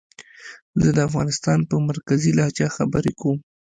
زه د افغانستان په مرکزي لهجه خبرې کووم